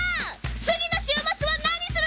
次の週末は何する？